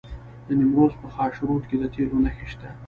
د نیمروز په خاشرود کې د تیلو نښې شته.